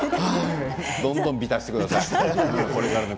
どんどんびたしてください。